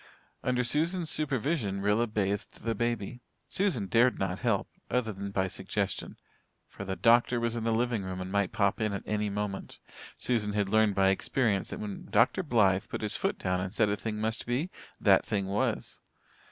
Under Susan's supervision Rilla bathed the baby. Susan dared not help, other than by suggestion, for the doctor was in the living room and might pop in at any moment. Susan had learned by experience that when Dr. Blythe put his foot down and said a thing must be, that thing was.